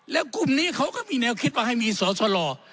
แล้วกลุ่มนี้เขาก็มีแนวคิดว่าให้มีสอสล